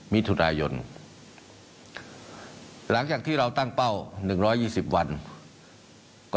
มีทุนายนหลังจากที่เราตั้งเป้าหนึ่งร้อยยี่สิบวันก็